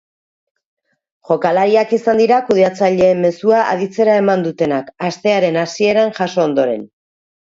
Jokalariak izan dira kudeatzaileen mezua aditzera eman dutenak, astearen hasieran jaso ondoren.